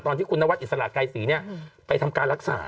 ที่คุณนวัดอิสระไกรศรีไปทำการรักษา